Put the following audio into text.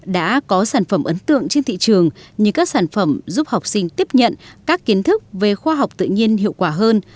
đã có sản phẩm ấn tượng trên thị trường như các sản phẩm giúp học sinh tiếp nhận các kiến thức về khoa học tự nhiên hiệu quả hơn